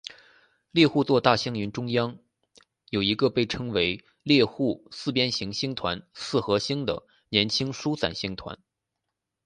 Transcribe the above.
猎户座大星云中央有一个被称为猎户四边形星团四合星的年轻疏散星团。